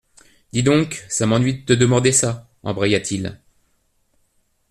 Dis donc, ça m’ennuie de te demander ça, embraya-t-il